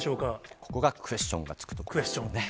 ここがクエスチョンがつくところですね。